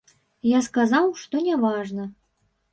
Я сказаў, што няважна.